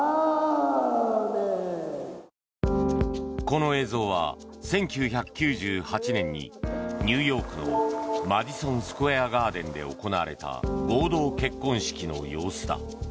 この映像は１９９８年にニューヨークのマディソン・スクエア・ガーデンで行われた合同結婚式の様子だ。